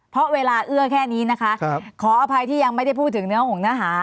เพราะเวลาเอื้อแค่นี้นะคะขออภัยที่ยังไม่ได้พูดถึงเนื้อหงเนื้อหา